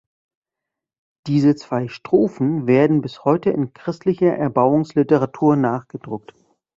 Diese zwei Strophen werden bis heute in christlicher Erbauungsliteratur nachgedruckt.